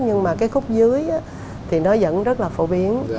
nhưng mà cái khúc dưới thì nó vẫn rất là phổ biến